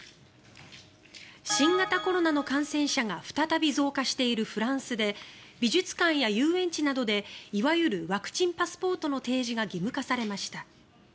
新型コロナの感染者が再び増加しているフランスで美術館や遊園地などで、いわゆるワクチンパスポートの提示が義務化されました。